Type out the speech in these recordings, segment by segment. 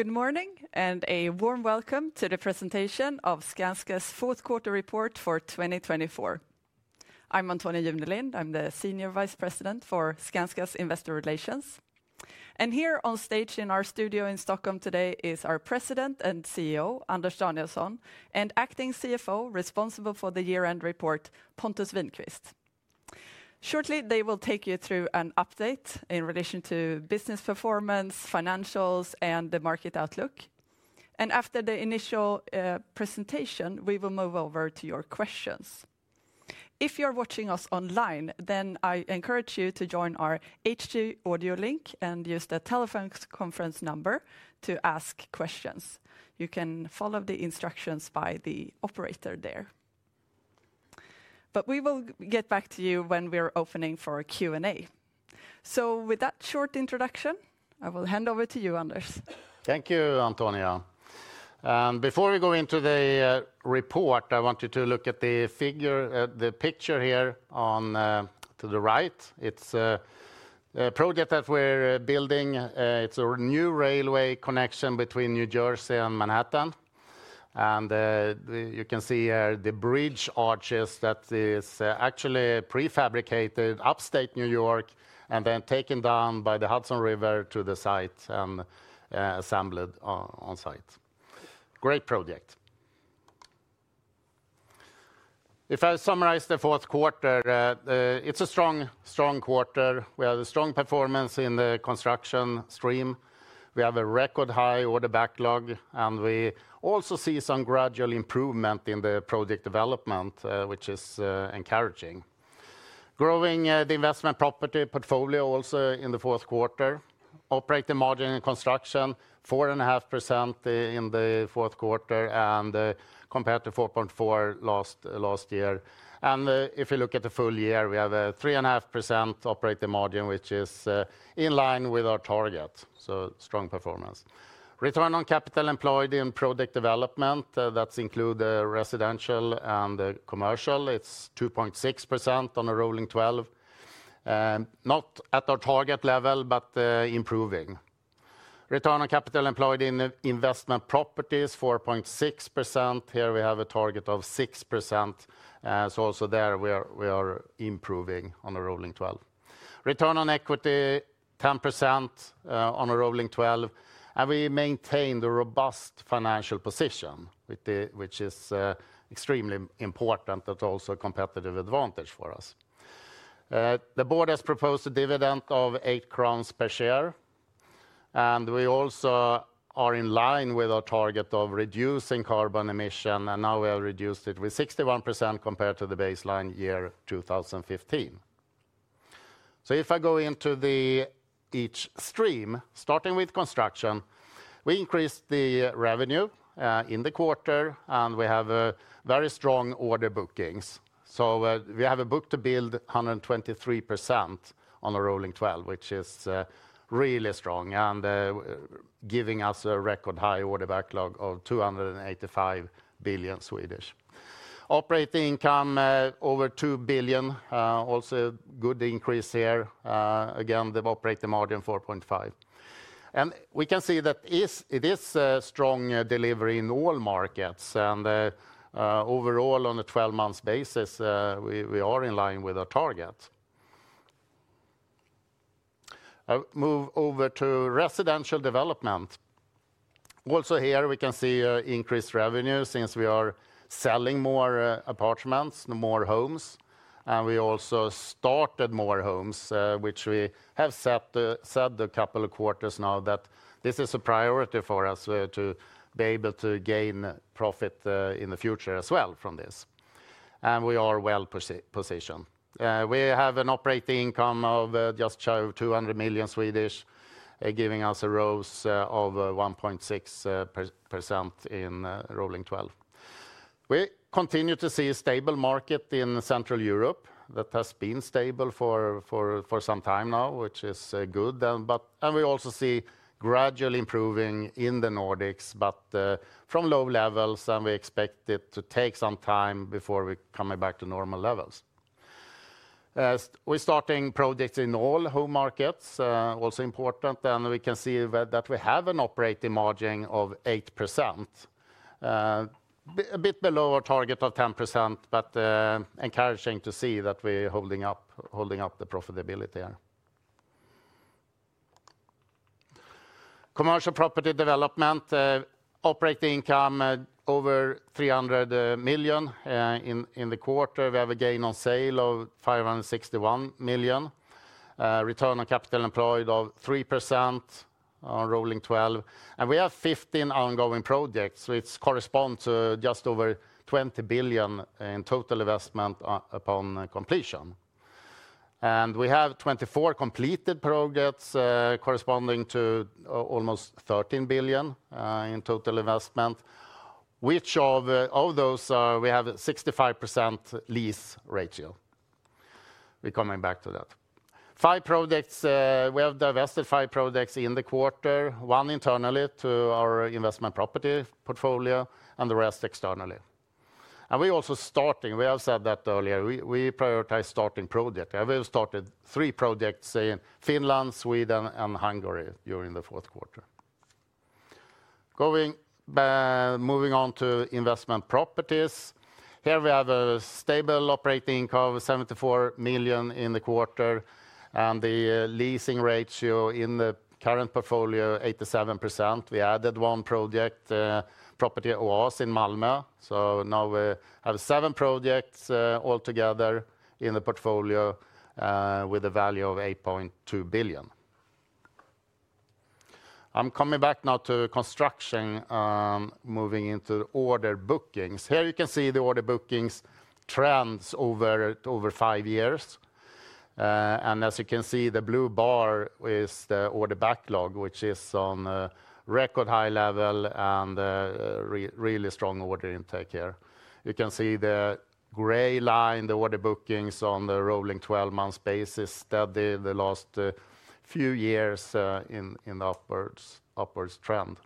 Good morning and a warm welcome to the presentation of Skanska's Q4 report for 2024. I'm Antonia Junelind, I'm the Senior Vice President for Skanska's Investor Relations. And here on stage in our studio in Stockholm today is our President and CEO, Anders Danielsson, and Acting CFO responsible for the year-end report, Pontus Winqvist. Shortly, they will take you through an update in relation to business performance, financials, and the market outlook. And after the initial presentation, we will move over to your questions. If you're watching us online, then I encourage you to join our web audio link and use the telephone conference number to ask questions. You can follow the instructions by the operator there. But we will get back to you when we are opening for Q&A. So with that short introduction, I will hand over to you, Anders. Thank you, Antonia. Before we go into the report, I want you to look at the picture here on the right. It's a project that we're building. It's a new railway connection between New Jersey and Manhattan, and you can see here the bridge arches that are actually prefabricated upstate New York and then taken down by the Hudson River to the site and assembled on site. Great project. If I summarize the Q4, it's a strong quarter. We have a strong performance in the construction stream. We have a record high order backlog, and we also see some gradual improvement in the project development, which is encouraging. Growing the investment property portfolio also in the Q4. Operating margin in construction, 4.5% in the Q4 and compared to 4.4% last year. And if you look at the full year, we have a 3.5% operating margin, which is in line with our target. So strong performance. Return on capital employed in project development, that's included residential and commercial, it's 2.6% on a rolling 12. Not at our target level, but improving. Return on capital employed in investment properties, 4.6%. Here we have a target of 6%. So also there we are improving on a rolling 12. Return on equity, 10% on a rolling 12. And we maintain the robust financial position, which is extremely important and also a competitive advantage for us. The board has proposed a dividend of 8 crowns per share. And we also are in line with our target of reducing carbon emission, and now we have reduced it with 61% compared to the baseline year 2015. So if I go into each stream, starting with construction, we increased the revenue in the quarter, and we have very strong order bookings. So we have a book-to-build 123% on a rolling 12, which is really strong and giving us a record high order backlog of 285 billion. Operating income over 2 billion, also a good increase here. Again, the operating margin 4.5%. And we can see that it is a strong delivery in all markets. And overall, on a 12-month basis, we are in line with our target. I'll move over to residential development. Also here, we can see increased revenue since we are selling more apartments, more homes. And we also started more homes, which we have said a couple of quarters now that this is a priority for us to be able to gain profit in the future as well from this. We are well positioned. We have an operating income of just shy of 200 million, giving us a ROCE of 1.6% in rolling 12. We continue to see a stable market in Central Europe that has been stable for some time now, which is good. We also see gradual improving in the Nordics, but from low levels, and we expect it to take some time before we're coming back to normal levels. We're starting projects in all home markets, also important. We can see that we have an operating margin of 8%. A bit below our target of 10%, but encouraging to see that we're holding up the profitability here. Commercial property development, operating income over 300 million in the quarter. We have a gain on sale of 561 million. Return on capital employed of 3% on rolling 12. We have 15 ongoing projects, which corresponds to just over 20 billion in total investment upon completion. We have 24 completed projects corresponding to almost 13 billion in total investment, which of those we have a 65% lease ratio. We're coming back to that. Five projects, we have divested five projects in the quarter, one internally to our investment property portfolio and the rest externally. We're also starting, we have said that earlier, we prioritize starting projects. We have started three projects in Finland, Sweden, and Hungary during the Q4. Going, moving on to investment properties. Here we have a stable operating income of 74 million in the quarter. The leasing ratio in the current portfolio, 87%. We added one project, Property Oas in Malmö. So now we have seven projects altogether in the portfolio with a value of 8.2 billion. I'm coming back now to construction, moving into order bookings. Here you can see the order bookings trends over five years, and as you can see, the blue bar is the order backlog, which is on record high level and really strong order intake here. You can see the gray line, the order bookings on the rolling 12-month basis, steady the last few years in the upwards trend,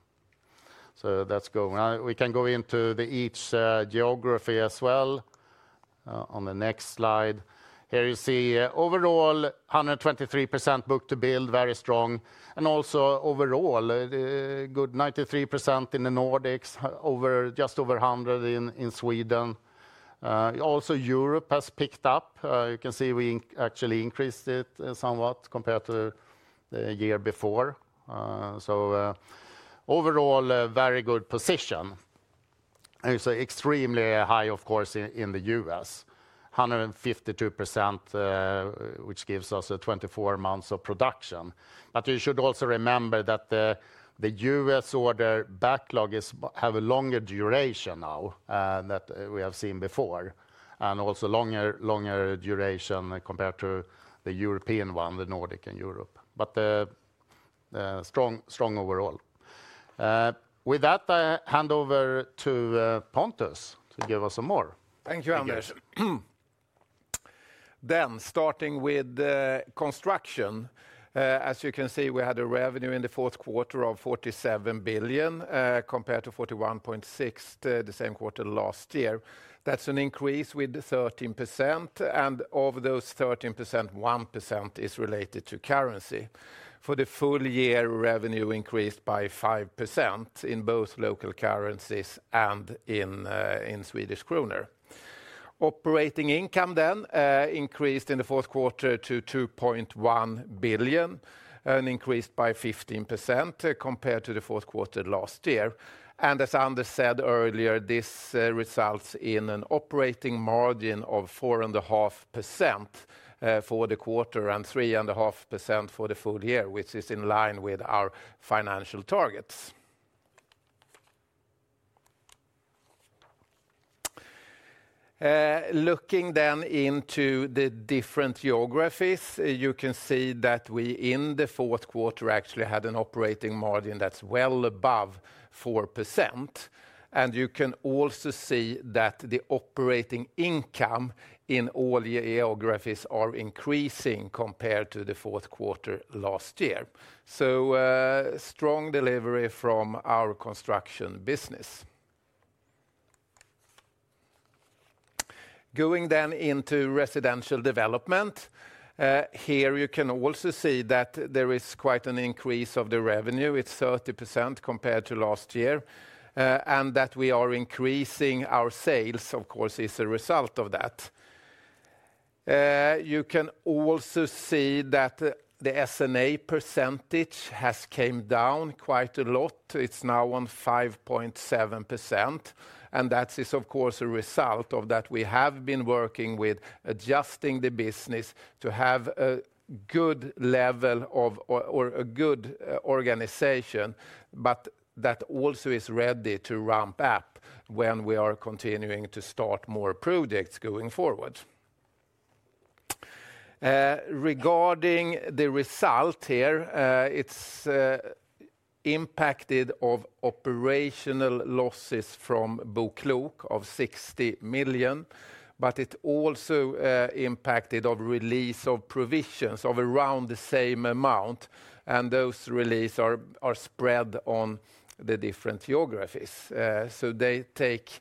so that's going. We can go into each geography as well on the next slide. Here you see overall 123% book-to-build, very strong, and also overall, good 93% in the Nordics, just over 100% in Sweden. Also Europe has picked up. You can see we actually increased it somewhat compared to the year before, so overall, very good position. It's extremely high, of course, in the US, 152%, which gives us 24 months of production. But you should also remember that the U.S. order backlog has a longer duration now than we have seen before. And also longer duration compared to the European one, the Nordic and Europe. But strong overall. With that, I hand over to Pontus to give us some more. Thank you, Anders. Then starting with construction, as you can see, we had a revenue in the Q4 of 47 billion compared to 41.6 billion the same quarter last year. That's an increase with 13%. And of those 13%, 1% is related to currency. For the full year, revenue increased by 5% in both local currencies and in Swedish kronor. Operating income then increased in the Q4 to 2.1 billion, an increase by 15% compared to the Q4 last year. And as Anders said earlier, this results in an operating margin of 4.5% for the quarter and 3.5% for the full year, which is in line with our financial targets. Looking then into the different geographies, you can see that we in the Q4 actually had an operating margin that's well above 4%. You can also see that the operating income in all geographies are increasing compared to the Q4 last year. So strong delivery from our construction business. Going then into residential development, here you can also see that there is quite an increase of the revenue. It's 30% compared to last year. And that we are increasing our sales, of course, is a result of that. You can also see that the S&A percentage has come down quite a lot. It's now on 5.7%. And that is, of course, a result of that we have been working with adjusting the business to have a good level of, or a good organization, but that also is ready to ramp up when we are continuing to start more projects going forward. Regarding the result here, it's impacted by operational losses from BoKlok of 60 million, but it also impacted by release of provisions of around the same amount. And those releases are spread on the different geographies. So they take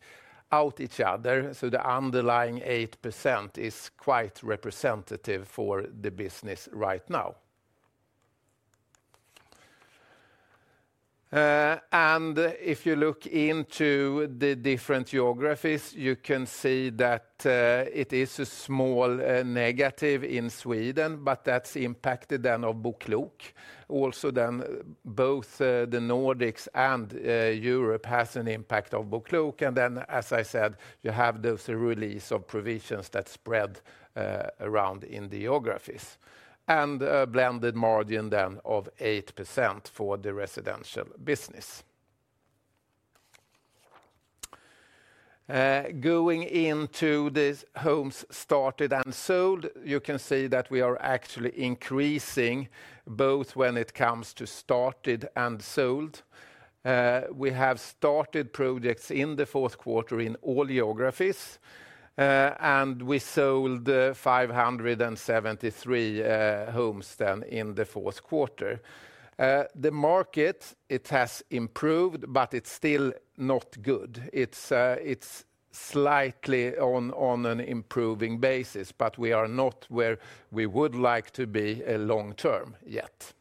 out each other. So the underlying 8% is quite representative for the business right now. And if you look into the different geographies, you can see that it is a small negative in Sweden, but that's impacted then of BoKlok. Also then both the Nordics and Europe has an impact of BoKlok. And then, as I said, you have those releases of provisions that spread around in the geographies. And blended margin then of 8% for the residential business. Going into the homes started and sold, you can see that we are actually increasing both when it comes to started and sold. We have started projects in the Q4 in all geographies. We sold 573 homes then in the Q4. The market, it has improved, but it's still not good. It's slightly on an improving basis, but we are not where we would like to be long term yet.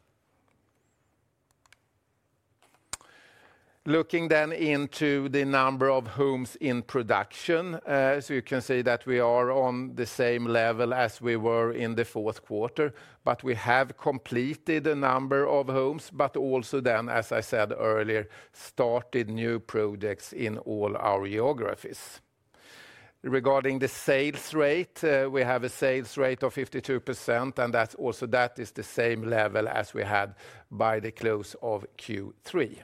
Looking then into the number of homes in production, so you can see that we are on the same level as we were in the Q4, but we have completed a number of homes, but also then, as I said earlier, started new projects in all our geographies. Regarding the sales rate, we have a sales rate of 52%, and that's also that is the same level as we had by the close of Q3.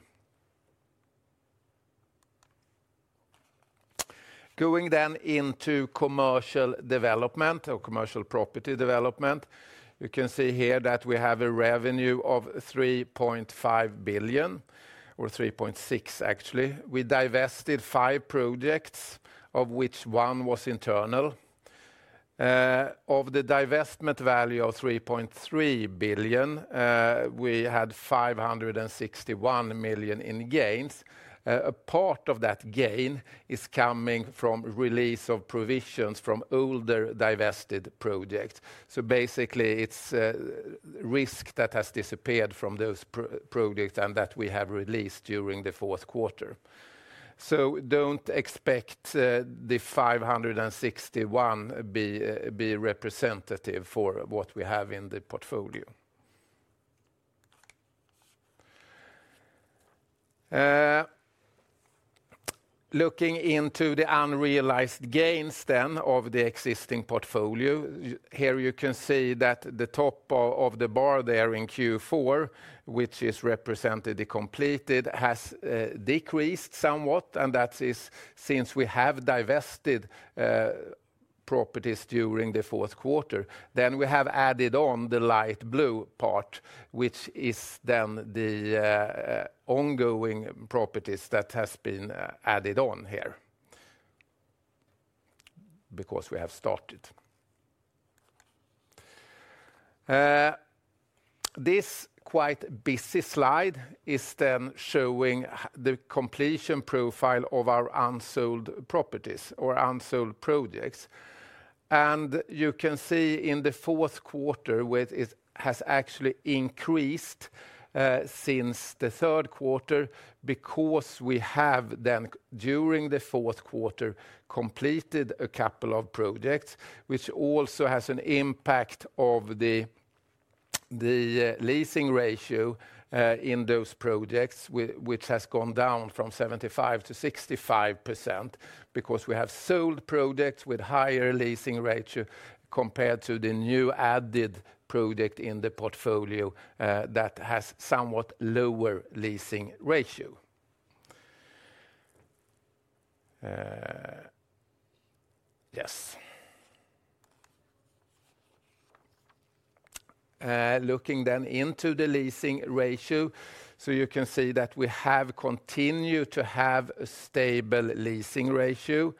Going then into commercial development or commercial property development, you can see here that we have a revenue of 3.5 billion, or 3.6 actually. We divested five projects, of which one was internal. Of the divestment value of 3.3 billion, we had 561 million in gains. A part of that gain is coming from release of provisions from older divested projects. So basically, it's risk that has disappeared from those projects and that we have released during the Q4. So don't expect the 561 be representative for what we have in the portfolio. Looking into the unrealized gains then of the existing portfolio, here you can see that the top of the bar there in Q4, which is represented the completed, has decreased somewhat. And that is since we have divested properties during the Q4. Then we have added on the light blue part, which is then the ongoing properties that has been added on here because we have started. This quite busy slide is then showing the completion profile of our unsold properties or unsold projects, and you can see in the Q4 where it has actually increased since the Q3 because we have then during the Q4 completed a couple of projects, which also has an impact of the leasing ratio in those projects, which has gone down from 75% to 65% because we have sold projects with higher leasing ratio compared to the new added project in the portfolio that has somewhat lower leasing ratio. Yes. Looking then into the leasing ratio, so you can see that we have continued to have a stable leasing ratio.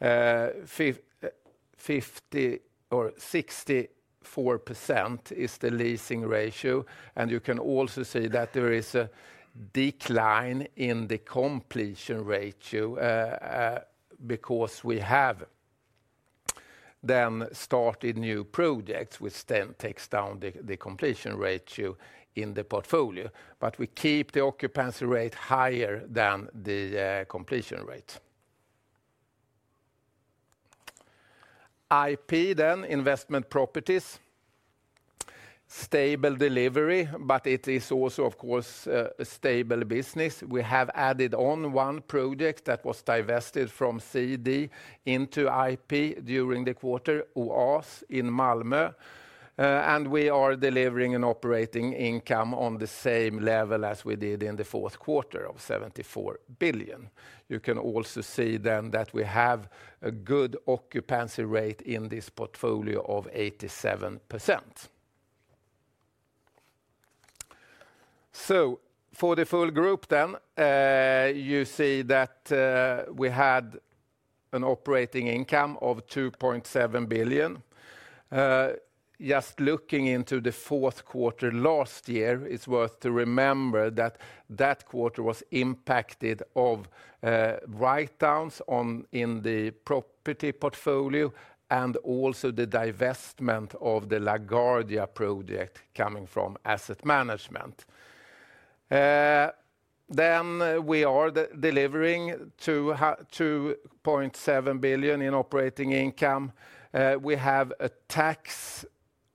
64% is the leasing ratio, and you can also see that there is a decline in the completion ratio because we have then started new projects, which then takes down the completion ratio in the portfolio. But we keep the occupancy rate higher than the completion rate. IP then, investment properties, stable delivery, but it is also, of course, a stable business. We have added on one project that was divested from CD into IP during the quarter, Oas in Malmö. And we are delivering an operating income on the same level as we did in the Q4 of 74 billion. You can also see then that we have a good occupancy rate in this portfolio of 87%. So for the full group then, you see that we had an operating income of 2.7 billion. Just looking into the Q4 last year, it's worth to remember that that quarter was impacted of write-downs in the property portfolio and also the divestment of the LaGuardia project coming from asset management. Then we are delivering 2.7 billion in operating income. We have a tax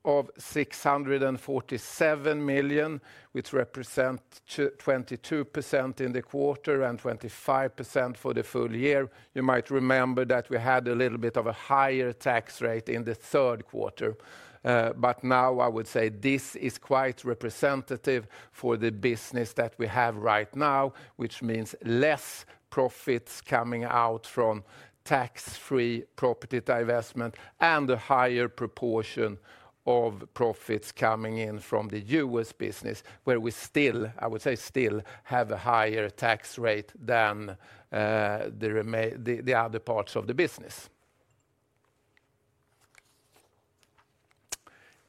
of 647 million, which represents 22% in the quarter and 25% for the full year. You might remember that we had a little bit of a higher tax rate in the Q3, but now I would say this is quite representative for the business that we have right now, which means less profits coming out from tax-free property divestment and a higher proportion of profits coming in from the US business, where we still, I would say still have a higher tax rate than the other parts of the business.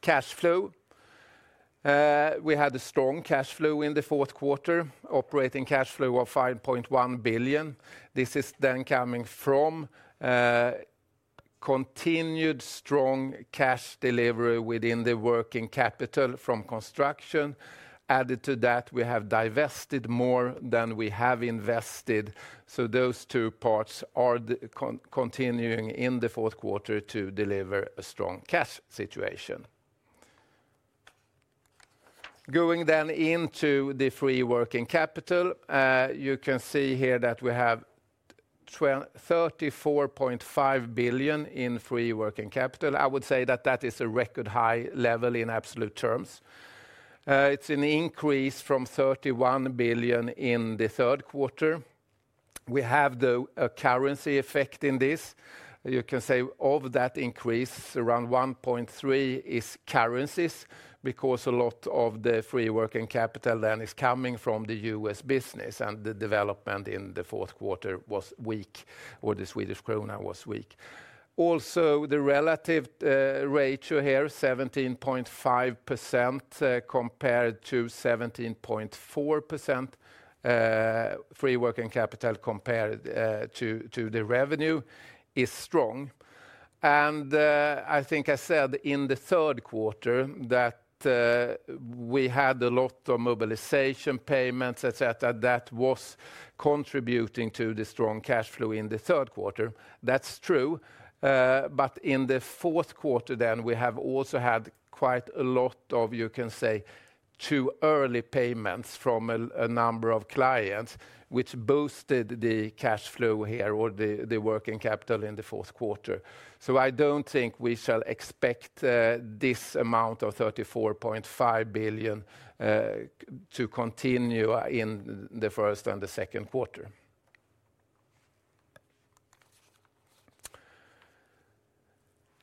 Cash flow. We had a strong cash flow in the Q4, operating cash flow of 5.1 billion. This is then coming from continued strong cash delivery within the working capital from construction. Added to that, we have divested more than we have invested. Those two parts are continuing in the Q4 to deliver a strong cash situation. Going then into the free working capital, you can see here that we have 34.5 billion in free working capital. I would say that that is a record high level in absolute terms. It's an increase from 31 billion in the Q3. We have the currency effect in this. You can say of that increase, around 1.3 billion is currencies because a lot of the free working capital then is coming from the U.S. business and the development in the Q4 was weak or the Swedish krona was weak. Also, the relative ratio here, 17.5% compared to 17.4% free working capital compared to the revenue is strong. And I think I said in the Q3 that we had a lot of mobilization payments, et cetera, that was contributing to the strong cash flow in the Q3. That's true. But in the Q4 then, we have also had quite a lot of, you can say, too early payments from a number of clients, which boosted the cash flow here or the working capital in the Q4. So I don't think we shall expect this amount of 34.5 billion to continue in the first and the Q2.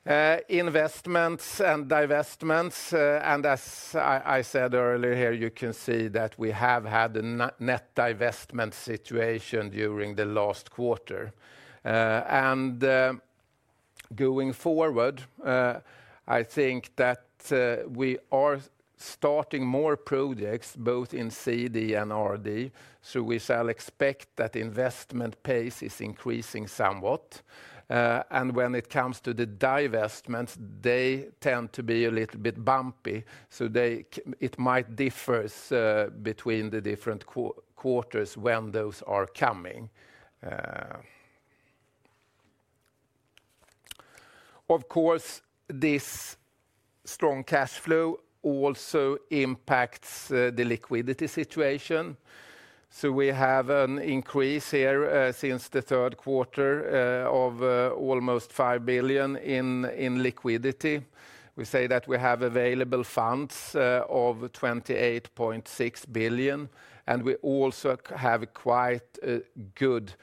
Investments and divestments, and as I said earlier here, you can see that we have had a net divestment situation during the last quarter. And going forward, I think that we are starting more projects both in CD and RD. So we shall expect that investment pace is increasing somewhat. When it comes to the divestments, they tend to be a little bit bumpy. So it might differ between the different quarters when those are coming. Of course, this strong cash flow also impacts the liquidity situation. So we have an increase here since the Q3 of almost 5 billion in liquidity. We say that we have available funds of 28.6 billion. And we also have quite a good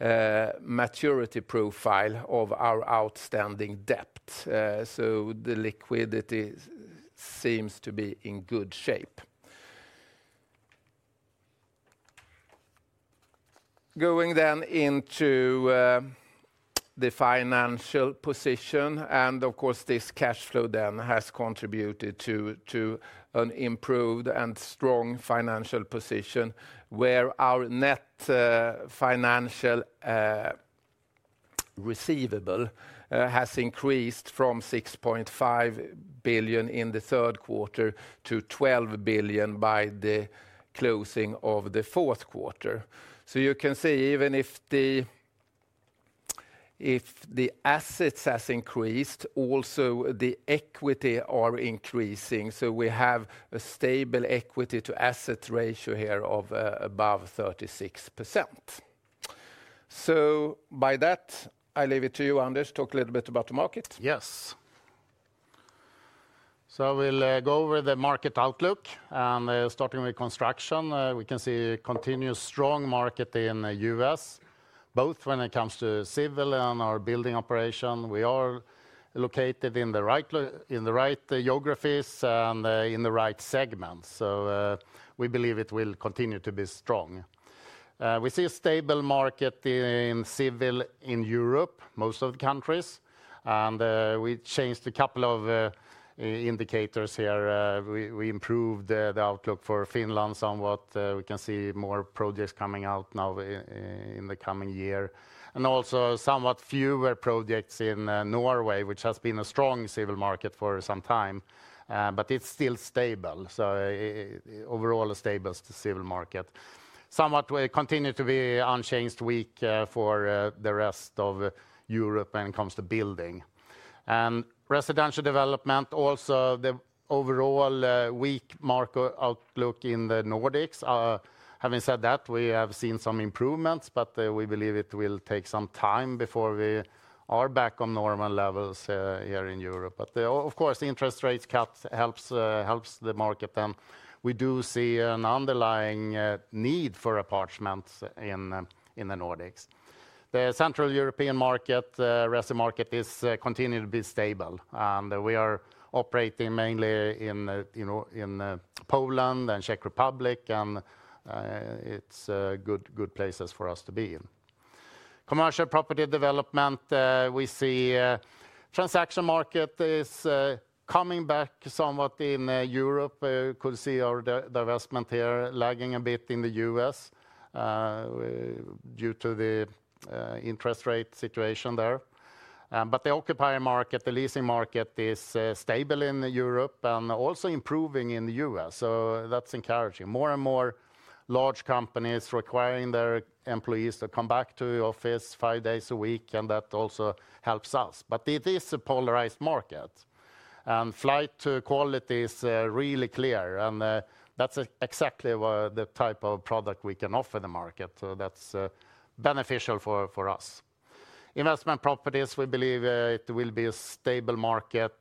maturity profile of our outstanding debt. So the liquidity seems to be in good shape. Going then into the financial position, and of course, this cash flow then has contributed to an improved and strong financial position where our net financial receivable has increased from 6.5 billion in the Q3 to 12 billion by the closing of the Q4. So you can see even if the assets have increased, also the equity are increasing. So we have a stable equity to asset ratio here of above 36%. So by that, I leave it to you, Anders, talk a little bit about the market. Yes. So I will go over the market outlook. And starting with construction, we can see continued strong market in the U.S., both when it comes to civil and our building operation. We are located in the right geographies and in the right segments. So we believe it will continue to be strong. We see a stable market in civil in Europe, most of the countries. And we changed a couple of indicators here. We improved the outlook for Finland somewhat. We can see more projects coming out now in the coming year. And also somewhat fewer projects in Norway, which has been a strong civil market for some time. But it's still stable. So overall, a stable civil market. Somewhat continued to be unchanged weak for the rest of Europe when it comes to building, and residential development also, the overall weak market outlook in the Nordics. Having said that, we have seen some improvements, but we believe it will take some time before we are back on normal levels here in Europe, but of course, interest rate cuts helps the market, and we do see an underlying need for apartments in the Nordics. The Central European market, residential market is continued to be stable, and we are operating mainly in Poland and Czech Republic, and it's good places for us to be in. Commercial property development, we see transaction market is coming back somewhat in Europe. You could see our divestment here lagging a bit in the US due to the interest rate situation there. But the occupier market, the leasing market is stable in Europe and also improving in the U.S. So that's encouraging. More and more large companies requiring their employees to come back to the office five days a week. And that also helps us. But it is a polarized market. And flight to quality is really clear. And that's exactly the type of product we can offer the market. So that's beneficial for us. Investment properties, we believe it will be a stable market.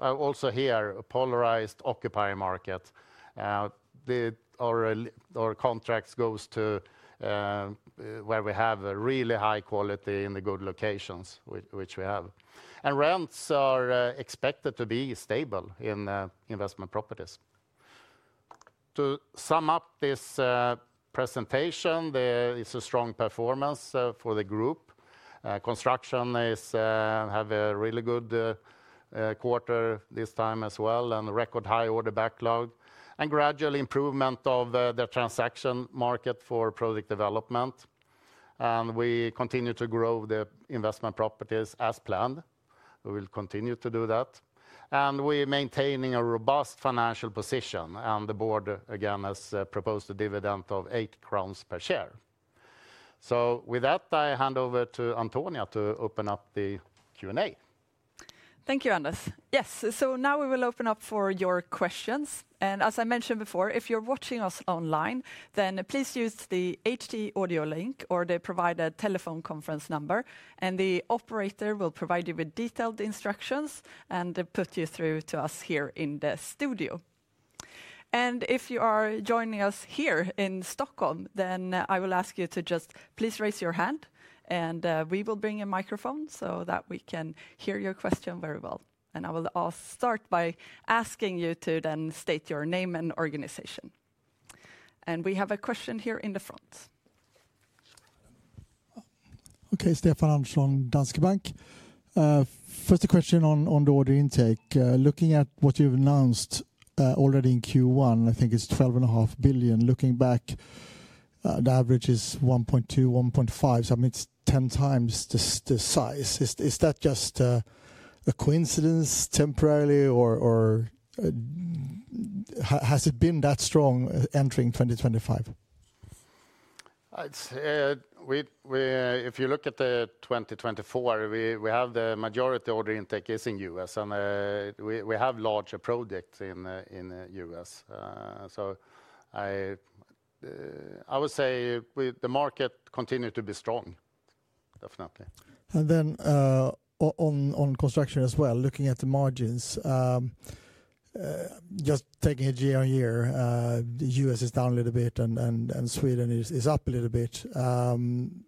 Also here, a polarized occupier market. Our contracts go to where we have really high quality in the good locations, which we have. And rents are expected to be stable in investment properties. To sum up this presentation, there is a strong performance for the group. Construction has a really good quarter this time as well and a record high order backlog and gradual improvement of the transaction market for project development. We continue to grow the investment properties as planned. We will continue to do that. We are maintaining a robust financial position. The board again has proposed a dividend of 8 crowns per share. With that, I hand over to Antonia to open up the Q&A. Thank you, Anders. Yes, so now we will open up for your questions. As I mentioned before, if you're watching us online, then please use the web audio link or the provided telephone conference number. The operator will provide you with detailed instructions and put you through to us here in the studio. If you are joining us here in Stockholm, then I will ask you to just please raise your hand. We will bring a microphone so that we can hear your question very well. I will start by asking you to then state your name and organization. We have a question here in the front. Okay, Stefan Andersson, Danske Bank. First question on the order intake. Looking at what you've announced already in Q1, I think it's 12.5 billion. Looking back, the average is 1.2 billion-1.5 billion. So I mean, it's 10 times the size. Is that just a coincidence temporarily or has it been that strong entering 2025? If you look at the 2024, we have the majority order intake is in U.S. We have larger projects in the U.S. So I would say the market continues to be strong, definitely. And then on construction as well, looking at the margins, just taking it year on year, the U.S. is down a little bit and Sweden is up a little bit. And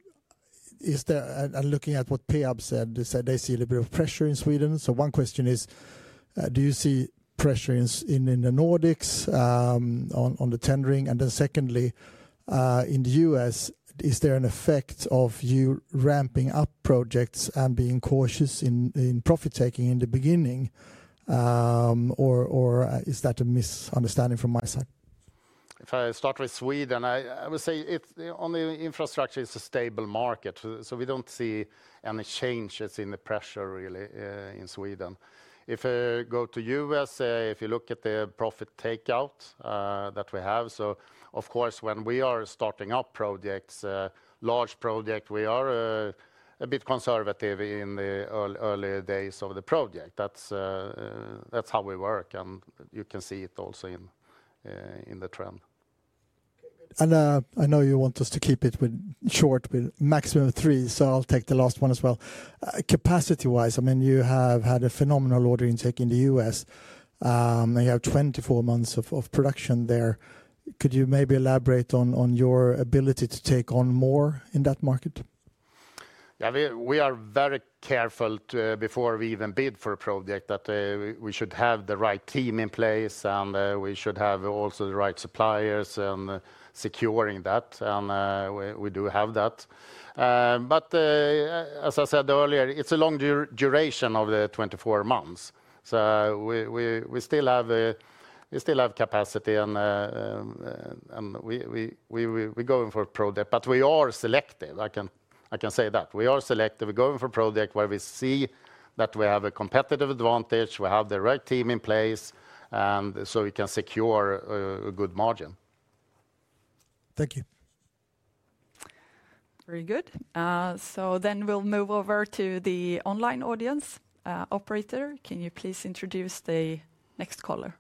looking at what Peab said, they see a little bit of pressure in Sweden. So one question is, do you see pressure in the Nordics on the tendering? And then secondly, in the U.S., is there an effect of you ramping up projects and being cautious in profit taking in the beginning? Or is that a misunderstanding from my side? If I start with Sweden, I would say on the infrastructure it's a stable market. So we don't see any changes in the pressure really in Sweden. If I go to the U.S., if you look at the profit takeout that we have, so of course when we are starting up projects, large projects, we are a bit conservative in the early days of the project. That's how we work. And you can see it also in the trend. And I know you want us to keep it short with maximum three. So I'll take the last one as well. Capacity-wise, I mean, you have had a phenomenal order intake in the U.S. You have 24 months of production there. Could you maybe elaborate on your ability to take on more in that market? Yeah, we are very careful before we even bid for a project that we should have the right team in place and we should have also the right suppliers and securing that. And we do have that. But as I said earlier, it's a long duration of the 24 months. So we still have capacity and we go in for a project. But we are selective. I can say that. We are selective. We go in for a project where we see that we have a competitive advantage. We have the right team in place. And so we can secure a good margin. Thank you. Very good. So then we'll move over to the online audience. Operator, can you please introduce the next caller?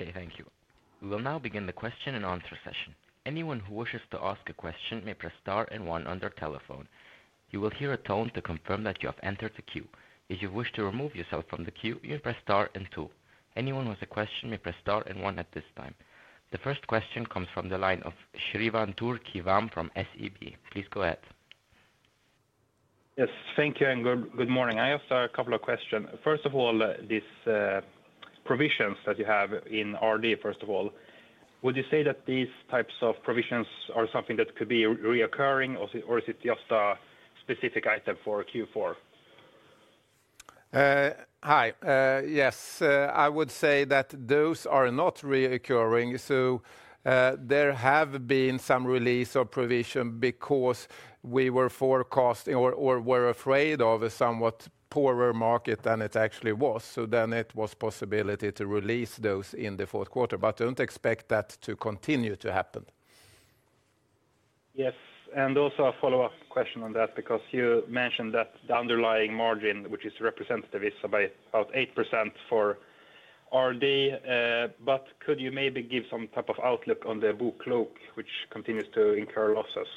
Okay, thank you. We will now begin the question and answer session. Anyone who wishes to ask a question may press star and one on their telephone. You will hear a tone to confirm that you have entered the queue. If you wish to remove yourself from the queue, you can press star and two. Anyone who has a question may press star and one at this time. The first question comes from the line of Sirwan Tucker from SEB. Please go ahead. Yes, thank you and good morning. I have a couple of questions. First of all, these provisions that you have in RD, first of all, would you say that these types of provisions are something that could be recurring or is it just a specific item for Q4? Hi, yes. I would say that those are not recurring. So there have been some release of provision because we were forecasting or were afraid of a somewhat poorer market than it actually was. So then it was a possibility to release those in the Q4. But don't expect that to continue to happen. Yes. And also a follow-up question on that because you mentioned that the underlying margin, which is representative, is about 8% for RD. But could you maybe give some type of outlook on the BoKlok, which continues to incur losses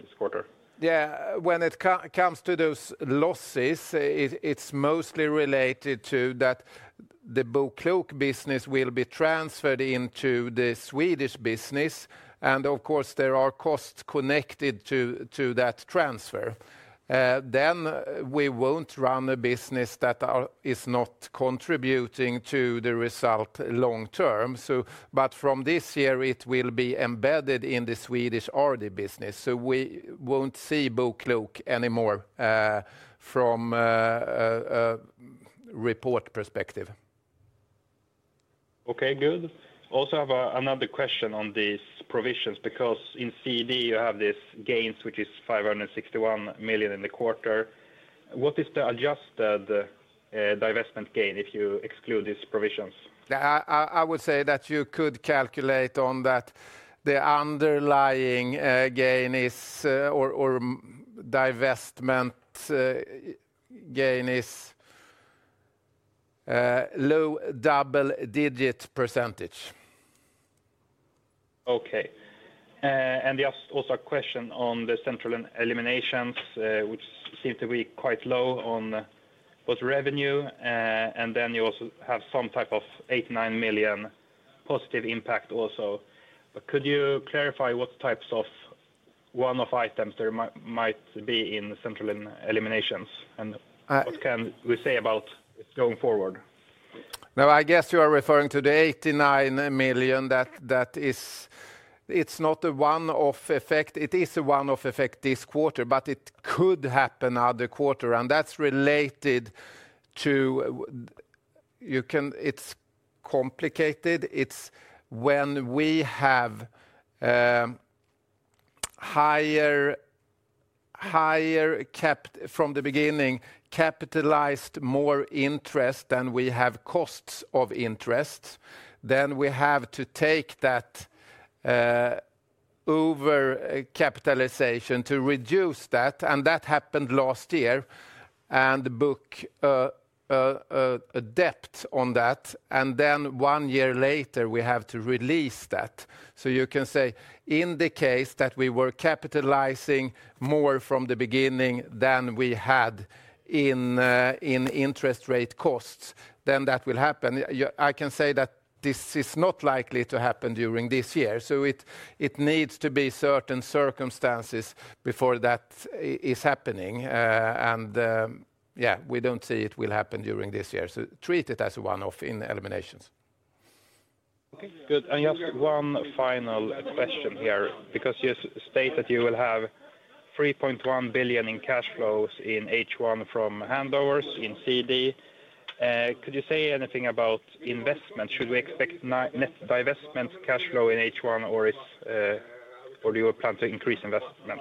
this quarter? Yeah, when it comes to those losses, it's mostly related to that the BoKlok business will be transferred into the Swedish business. And of course, there are costs connected to that transfer. Then we won't run a business that is not contributing to the result long term. But from this year, it will be embedded in the Swedish RD business. So we won't see BoKlok anymore from a report perspective. Okay, good. Also have another question on these provisions because in CD you have these gains, which is 561 million in the quarter. What is the adjusted divestment gain if you exclude these provisions? I would say that you could calculate on that the underlying gain is, or divestment gain is, low double-digit %. Okay. And you asked also a question on the central eliminations, which seem to be quite low on both revenue. And then you also have some type of 8-9 million positive impact also. But could you clarify what types of one-off items there might be in central eliminations? And what can we say about going forward? No, I guess you are referring to the 89 million. That is, it's not a one-off effect. It is a one-off effect this quarter, but it could happen other quarter. And that's related to, it's complicated. It's when we have higher capitalized from the beginning, capitalized more interest than we have costs of interest, then we have to take that over capitalization to reduce that. That happened last year and booked a debt on that. Then one year later, we have to release that. So you can say in the case that we were capitalizing more from the beginning than we had in interest rate costs, then that will happen. I can say that this is not likely to happen during this year. So it needs to be certain circumstances before that is happening. And yeah, we don't see it will happen during this year. So treat it as a one-off in eliminations. Okay, good. And you asked one final question here because you state that you will have 3.1 billion in cash flows in H1 from handovers in CD. Could you say anything about investment? Should we expect net divestment cash flow in H1 or do you plan to increase investment?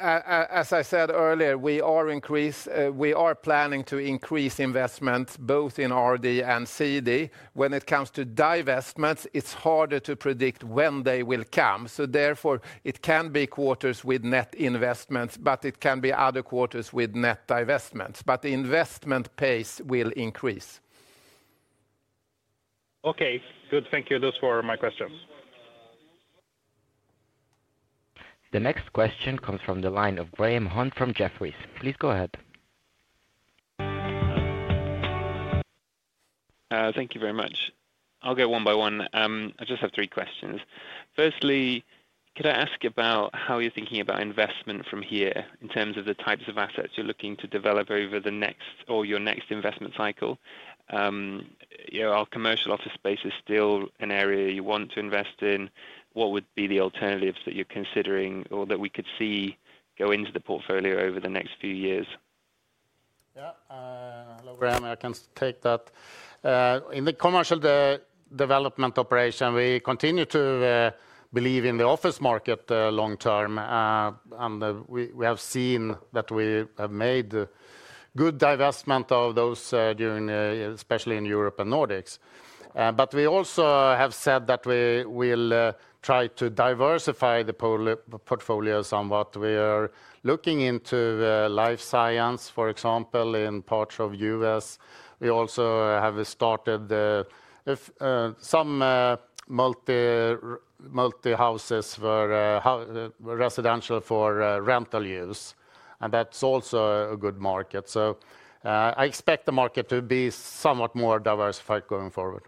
As I said earlier, we are planning to increase investment both in RD and CD. When it comes to divestments, it's harder to predict when they will come. So therefore, it can be quarters with net investments, but it can be other quarters with net divestments. But the investment pace will increase. Okay, good. Thank you. Those were my questions. The next question comes from the line of Graham Hunt from Jefferies. Please go ahead. Thank you very much. I'll go one by one. I just have three questions. Firstly, could I ask about how you're thinking about investment from here in terms of the types of assets you're looking to develop over the next or your next investment cycle? Our commercial office space is still an area you want to invest in. What would be the alternatives that you're considering or that we could see go into the portfolio over the next few years? Yeah, hello Graham, I can take that. In the commercial development operation, we continue to believe in the office market long term, and we have seen that we have made good divestment of those during, especially in Europe and Nordics, but we also have said that we will try to diversify the portfolios on what we are looking into life science, for example, in parts of the US. We also have started some multi-family residential for rental use, and that's also a good market, so I expect the market to be somewhat more diversified going forward.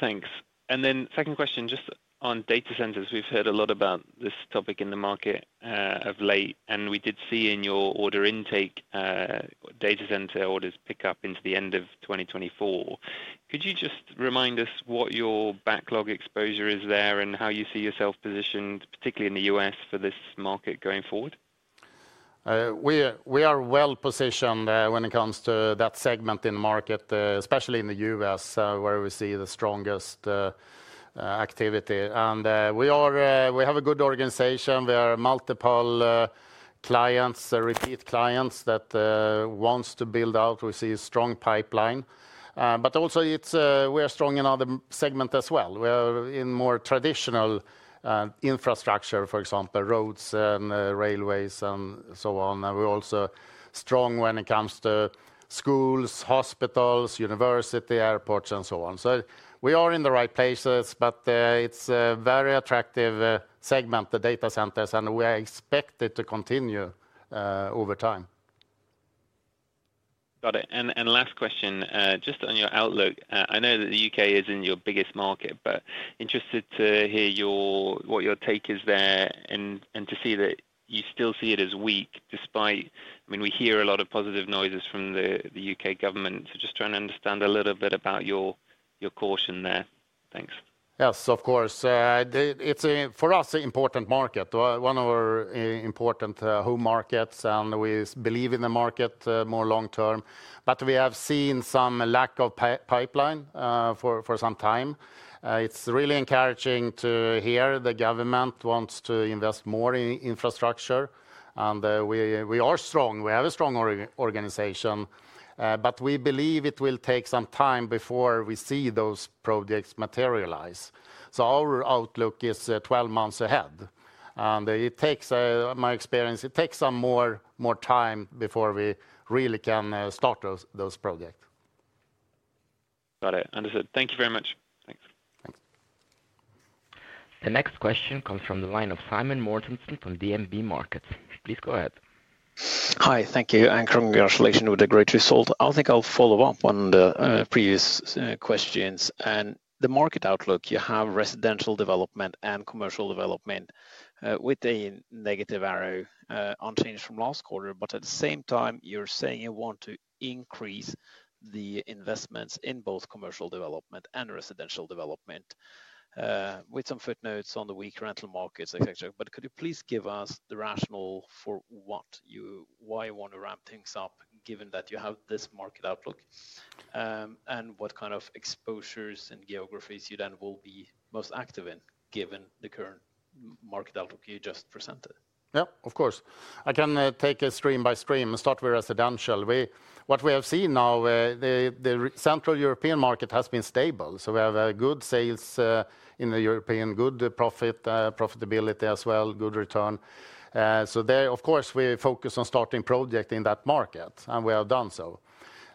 Thanks. And then second question, just on data centers. We've heard a lot about this topic in the market of late. And we did see in your order intake, data center orders pick up into the end of 2024. Could you just remind us what your backlog exposure is there and how you see yourself positioned, particularly in the U.S. for this market going forward? We are well positioned when it comes to that segment in the market, especially in the U.S. where we see the strongest activity. And we have a good organization. We are multiple clients, repeat clients that want to build out. We see a strong pipeline. But also we are strong in other segments as well. We are in more traditional infrastructure, for example, roads and railways and so on. And we're also strong when it comes to schools, hospitals, universities, airports, and so on. So we are in the right places, but it's a very attractive segment, the data centers, and we expect it to continue over time. Got it. And last question, just on your outlook. I know that the U.K. isn't your biggest market, but interested to hear what your take is there and to see that you still see it as weak despite, I mean, we hear a lot of positive noises from the U.K. government. So just trying to understand a little bit about your caution there. Thanks. Yes, of course. It's for us an important market, one of our important home markets, and we believe in the market more long term. But we have seen some lack of pipeline for some time. It's really encouraging to hear the government wants to invest more in infrastructure. And we are strong. We have a strong organization, but we believe it will take some time before we see those projects materialize. So our outlook is 12 months ahead. And it takes, in my experience, it takes some more time before we really can start those projects. Got it. Understood. Thank you very much. Thanks. The next question comes from the line of Simon Mortensen from DNB Markets. Please go ahead. Hi, thank you. And congratulations with a great result. I think I'll follow up on the previous questions. And the market outlook, you have residential development and commercial development with a negative arrow unchanged from last quarter. But at the same time, you're saying you want to increase the investments in both commercial development and residential development with some footnotes on the weak rental markets, etc. But could you please give us the rationale for why you want to ramp things up given that you have this market outlook and what kind of exposures and geographies you then will be most active in given the current market outlook you just presented? Yeah, of course. I can take a stream by stream and start with residential. What we have seen now, the Central European market has been stable. So we have good sales in the Central European, good profitability as well, good return. So there, of course, we focus on starting projects in that market, and we have done so.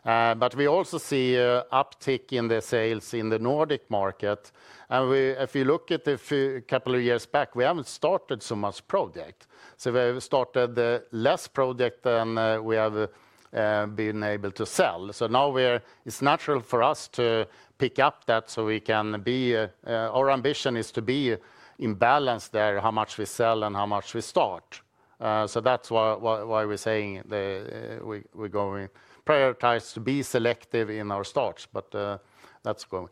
But we also see an uptick in the sales in the Nordic market. And if you look at a couple of years back, we have not started so many projects. So we have started fewer projects than we have been able to sell. So now it's natural for us to pick up that so we can be. Our ambition is to be in balance there how much we sell and how much we start. So that's why we're saying we're going to prioritize to be selective in our starts, but that's going.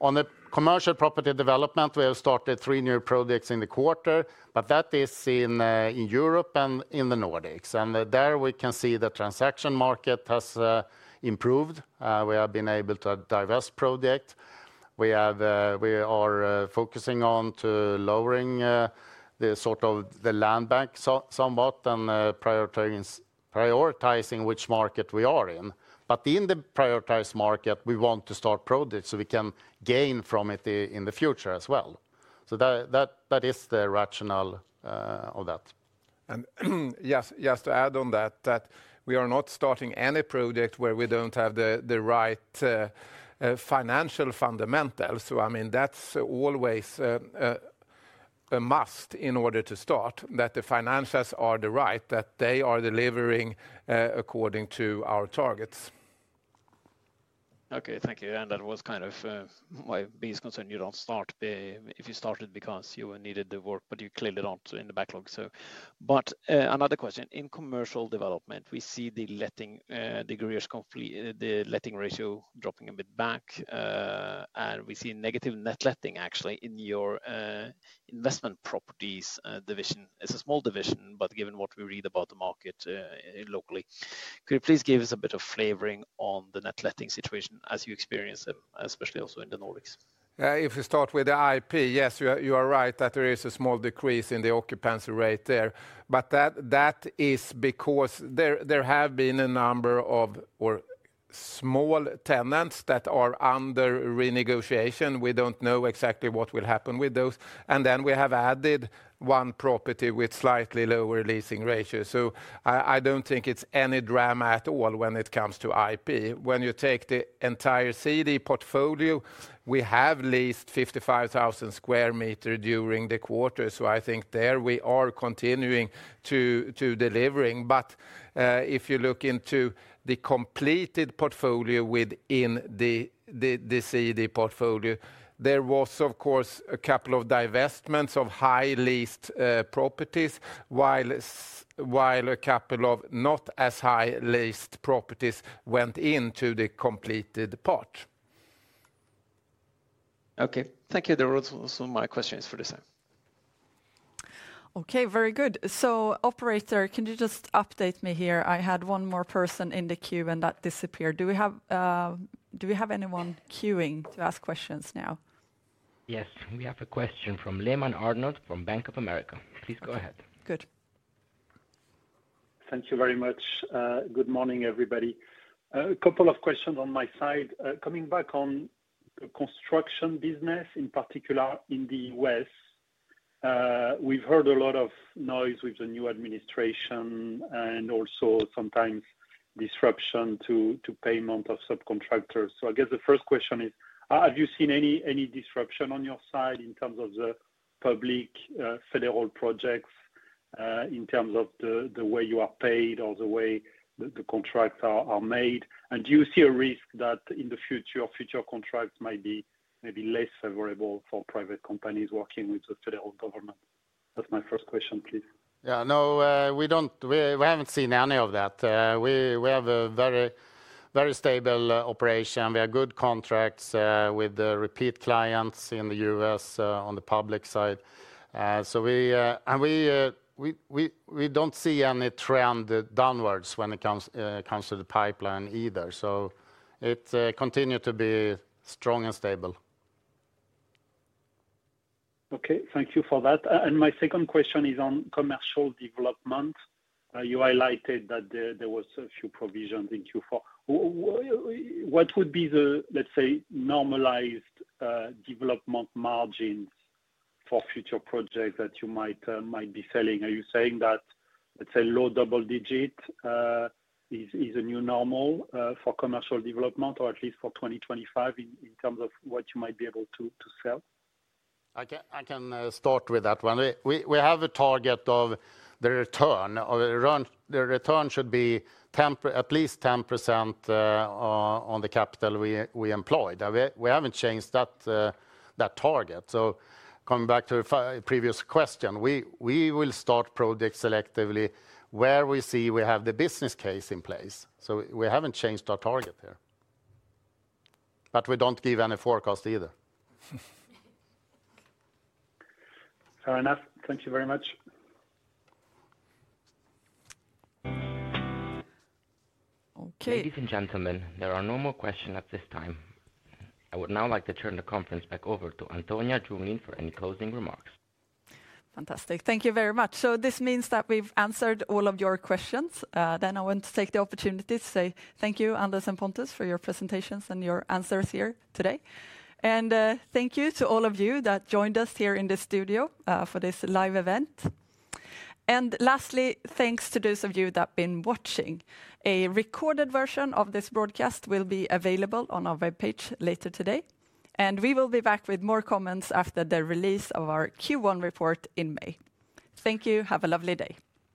On the commercial property development, we have started three new projects in the quarter, but that is in Europe and in the Nordics. And there we can see the transaction market has improved. We have been able to divest projects. We are focusing on lowering the sort of land bank somewhat and prioritizing which market we are in. But in the prioritized market, we want to start projects so we can gain from it in the future as well. So that is the rationale of that. And just to add on that, that we are not starting any project where we don't have the right financial fundamentals. So I mean, that's always a must in order to start, that the financials are the right, that they are delivering according to our targets. Okay, thank you. And that was kind of my biggest concern. You don't start if you started because you needed the work, but you clearly don't in the backlog. But another question. In commercial development, we see the leasing ratio dropping a bit back. And we see negative net leasing actually in your investment properties division. It's a small division, but given what we read about the market locally, could you please give us a bit of flavor on the net leasing situation as you experience it, especially also in the Nordics? If we start with the IP, yes, you are right that there is a small decrease in the occupancy rate there. But that is because there have been a number of small tenants that are under renegotiation. We don't know exactly what will happen with those. And then we have added one property with slightly lower leasing ratio. So I don't think it's any drama at all when it comes to IP. When you take the entire CD portfolio, we have leased 55,000 sq m during the quarter. So I think there we are continuing to delivering. But if you look into the completed portfolio within the CD portfolio, there was, of course, a couple of divestments of high-leased properties while a couple of not-as-high-leased properties went into the completed part. Okay, thank you. There were also my questions for this time. Okay, very good. So operator, can you just update me here? I had one more person in the queue and that disappeared. Do we have anyone queuing to ask questions now? Yes, we have a question from Arnaud Lehmann from Bank of America. Please go ahead. Good. Thank you very much. Good morning, everybody. A couple of questions on my side. Coming back on the construction business, in particular in the U.S., we've heard a lot of noise with the new administration and also sometimes disruption to payment of subcontractors. So I guess the first question is, have you seen any disruption on your side in terms of the public federal projects in terms of the way you are paid or the way the contracts are made? And do you see a risk that in the future, future contracts might be maybe less favorable for private companies working with the federal government? That's my first question, please. Yeah, no, we haven't seen any of that. We have a very stable operation. We have good contracts with the repeat clients in the U.S. on the public side. And we don't see any trend downwards when it comes to the pipeline either. So it continues to be strong and stable. Okay, thank you for that. And my second question is on commercial development. You highlighted that there were a few provisions in Q4. What would be the, let's say, normalized development margins for future projects that you might be selling? Are you saying that, let's say, low double digit is a new normal for commercial development, or at least for 2025 in terms of what you might be able to sell? I can start with that one. We have a target of the return. The return should be at least 10% on the capital we employed. We haven't changed that target. So coming back to the previous question, we will start projects selectively where we see we have the business case in place. So we haven't changed our target there. But we don't give any forecast either. Fair enough. Thank you very much. Ladies and gentlemen, there are no more questions at this time. I would now like to turn the conference back over to Antonia Junelind for any closing remarks. Fantastic. Thank you very much. So this means that we've answered all of your questions. Then I want to take the opportunity to say thank you, Anders and Pontus, for your presentations and your answers here today. And thank you to all of you that joined us here in the studio for this live event. Lastly, thanks to those of you that have been watching. A recorded version of this broadcast will be available on our webpage later today. We will be back with more comments after the release of our Q1 report in May. Thank you. Have a lovely day.